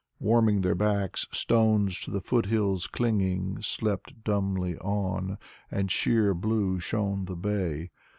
Warming their backs, stones to the foot hills clinging Slept dumbly on. And sheer blue shone the bay.